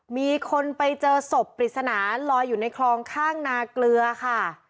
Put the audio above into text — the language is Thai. มีคนไปเจอศพปริศนาลอยอยู่ในคลองข้างนาเกลือค่ะ